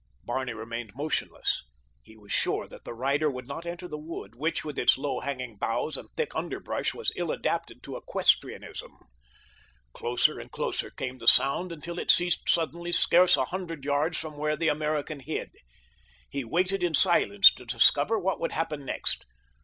Barney remained motionless. He was sure that the rider would not enter the wood which, with its low hanging boughs and thick underbrush, was ill adapted to equestrianism. Closer and closer came the sound until it ceased suddenly scarce a hundred yards from where the American hid. He waited in silence to discover what would happen next.